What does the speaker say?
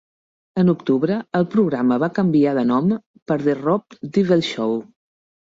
En octubre, el programa va canviar de nom per "The Rob Dibble Show".